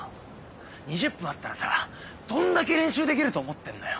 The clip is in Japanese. ２０分あったらさどんだけ練習できると思ってんのよ？